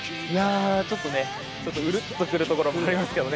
ちょっとねうるっとくるところもありますけど。